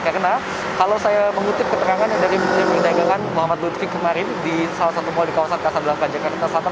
karena kalau saya mengutip keterangannya dari menteri perhidangan muhammad ludwig kemarin di salah satu mal di kawasan ksad jakarta selatan